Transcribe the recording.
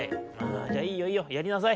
「じゃあいいよいいよやりなさい。